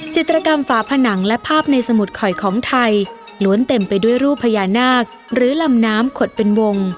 จิตรกรรมฝาผนังและภาพในสมุดข่อยของไทยล้วนเต็มไปด้วยรูปพญานาคหรือลำน้ำขดเป็นวง